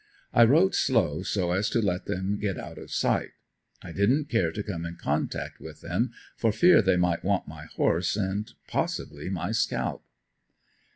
I rode slow so as to let them get out of sight. I didn't care to come in contact with them for fear they might want my horse and possibly my scalp.